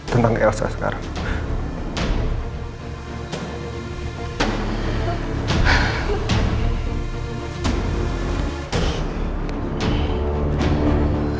tentang elsa sekarang